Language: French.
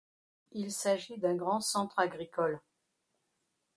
Il s'agit d'un grand centre agricole.